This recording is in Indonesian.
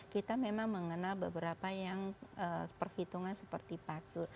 kita memang mengenal beberapa yang perhitungan seperti patsu